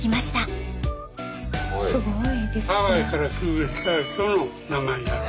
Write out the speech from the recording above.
ハワイから寄付した人の名前じゃろ。